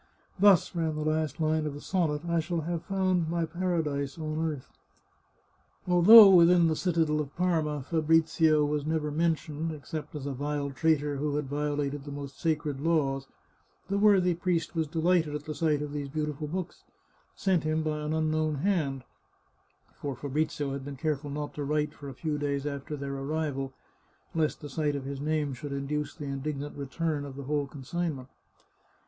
" Thus," ran the last line of the sonnet, " I shall have found my para dise on earth." Although within the citadel of Parma Fabrizio was never mentioned, except as a vile traitor who had violated the most sacred laws, the worthy priest was delighted at the sight of these beautiful books, sent him by an unknown hand — for Fabrizio had been careful not to write for a few days after their arrival, lest the sight of his name should in duce the indignant return of the whole consignment.